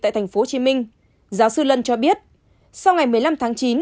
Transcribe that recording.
tại tp hcm giáo sư lân cho biết sau ngày một mươi năm tháng chín